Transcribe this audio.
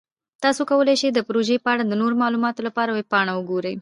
تاسو کولی شئ د پروژې په اړه د نورو معلوماتو لپاره ویب پاڼه وګورئ.